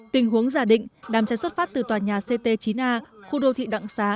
tình huống giả định đám cháy xuất phát từ tòa nhà ct chín a khu đô thị đặng xá